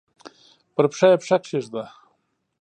پر پښه یې پښه کښېږده!